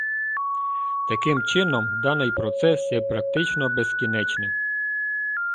Таким чином, даний процес є практично безкінечним.